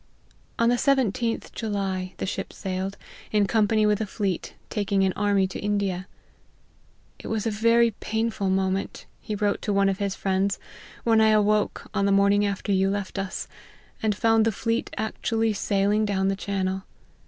On the 17th July the ship sailed, in company with a fleet, taking an army to India. " It was a very painful moment," he wrote to one of his friends, " when I awoke, on the morning after you left us, and found the fleet actually sailing down the chan nel.